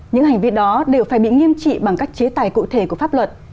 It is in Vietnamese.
những hành vi đó đều phải bị nghiêm trị bằng các chế tài cụ thể của pháp luật